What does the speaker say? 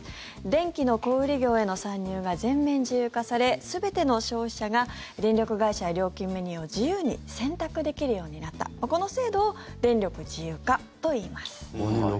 電気の小売業への参入が全面自由化され全ての消費者が電力会社へ料金メニューを自由に選択できるようになったこの制度を電力自由化といいます。